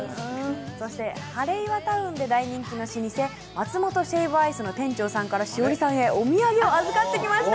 そしてハレイワタウンで大人気の老舗、マツモトシェイブアイスの店長さんから栞里さんへお土産を預かってきました。